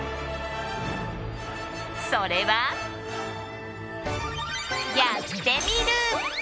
それは、「やってみる。」